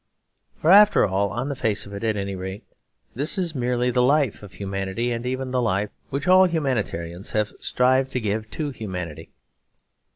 For, after all, on the face of it at any rate, this is merely the life of humanity, and even the life which all humanitarians have striven to give to humanity.